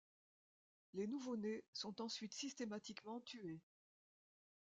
Les nouveau-nés sont ensuite systématiquement tués.